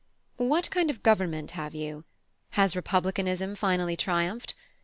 What kind of a government have you? Has republicanism finally triumphed?